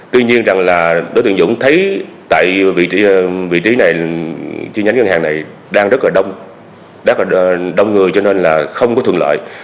tuy nhiên rằng là đối tượng dũng thấy tại vị trí này chi nhánh ngân hàng này đang rất là đông rất là đông người cho nên là không có thuận lợi